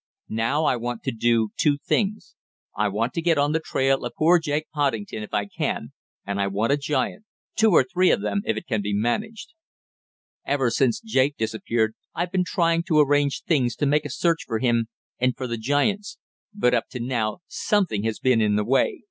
Now I want to do two things. I want to get on the trail of poor Jake Poddington if I can, and I want a giant two or three of them if it can be managed." "Ever since Jake disappeared I've been trying to arrange things to make a search for him, and for the giants, but up to now something has been in the way.